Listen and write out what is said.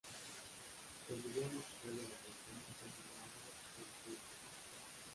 El video musical de la canción fue filmado en Trieste.